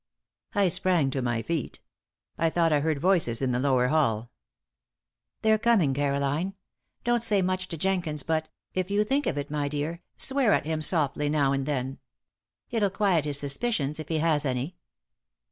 I sprang to my feet. I thought I heard voices in the lower hall. "They're coming, Caroline. Don't say much to Jenkins, but, if you think of it, my dear, swear at him softly now and then. It'll quiet his suspicions, if he has any."